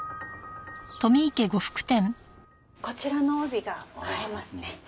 こちらの帯が映えますね。